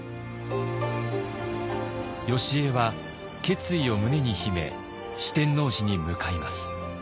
よしえは決意を胸に秘め四天王寺に向かいます。